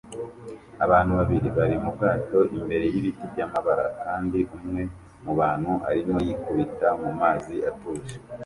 Abantu babiri bari mu bwato imbere yibiti byamabara kandi umwe mubantu arimo yikubita mumazi atuje